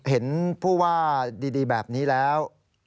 เห็นผู้ว่าดีแบบนี้แล้ว